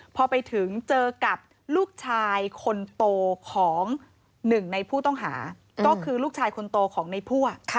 พอไปถึงเจอกับลูกชายคนโตของหนึ่งในผู้ต้องหาก็คือลูกชายคนโตของในพั่ว